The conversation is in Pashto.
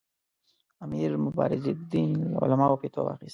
امیر مبارزالدین له علماوو فتوا واخیستله.